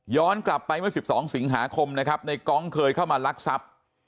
กลับไปเมื่อ๑๒สิงหาคมนะครับในกองเคยเข้ามาลักทรัพย์